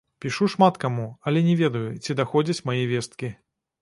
Пішу шмат каму, але не ведаю, ці даходзяць мае весткі.